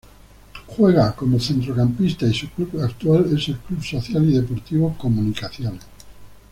Juega como centrocampista y su club actual es el Club Social y Deportivo Comunicaciones.